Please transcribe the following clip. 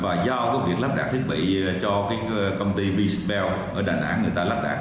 và giao việc lắp đặt thiết bị cho công ty v spell ở đà nẵng người ta lắp đặt